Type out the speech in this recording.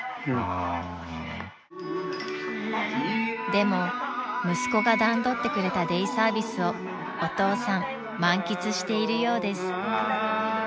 ［でも息子が段取ってくれたデイサービスをお父さん満喫しているようです］